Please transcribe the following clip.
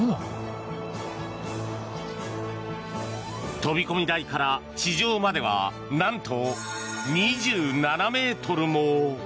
飛込台から地上までは何と２７ｍも。